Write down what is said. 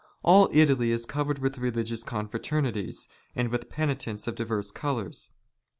All Italy is covered "with religious confraternities, and with penitents of divers " colours.